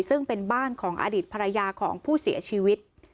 ซึ่งเป็นบ้านของอดีตภรรยาของผู้เสียชีวิต